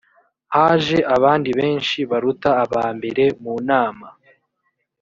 haje abandi benshi baruta aba mbere mu nama